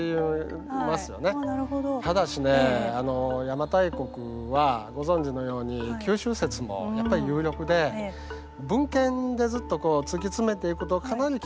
ただしね邪馬台国はご存じのように九州説もやっぱり有力で文献でずっと突き詰めていくとかなり九州の可能性もあるんですよ。